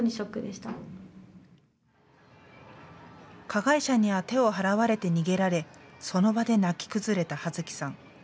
加害者には手を払われて逃げられその場で泣き崩れたはずきさん。